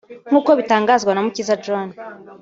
nk’uko bitangazwa na Mukiza John